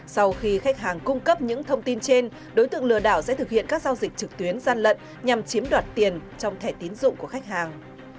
sau khi khách hàng cung cấp những thông tin trên đối tượng lừa đảo sẽ thực hiện các giao dịch trực tuyến gian lận nhằm chiếm đoạt tiền trong thẻ tiến dụng của khách hàng